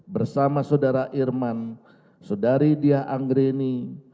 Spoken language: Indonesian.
bersama saudara irman saudari diah anggreni